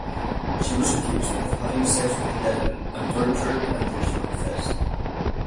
She was accused of having sex with the devil and tortured until she confessed.